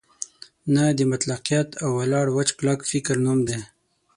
نه د مطلقیت او ولاړ وچ کلک فکر نوم دی.